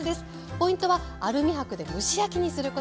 ポイントはアルミ箔で蒸し焼きにすること。